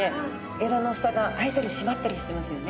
えらの蓋が開いたり閉まったりしてますよね。